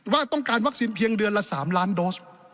ว่าต้องการวัคซีนเพียงเดือนละ๓ล้านโดส